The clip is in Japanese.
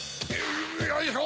よいしょ！